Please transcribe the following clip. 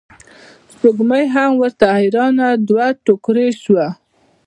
سپوږمۍ هم ورته حیرانه دوه توکړې شوه.